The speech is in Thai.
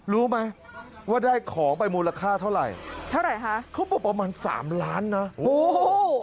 รู้ไหมว่าได้ของไปมูลค่าเท่าไหร่เท่าไหร่ฮะเขาบอกประมาณสามล้านนะโอ้โห